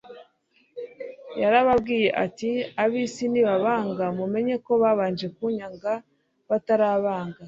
Yarababwiye ati : Ab'isi nibabanga mumenye ko babanje kunyanga batarabanga.